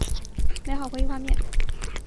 美好回忆画面